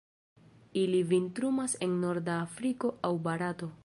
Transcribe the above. Ili vintrumas en norda Afriko aŭ Barato.